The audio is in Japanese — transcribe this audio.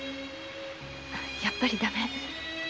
やっぱり駄目。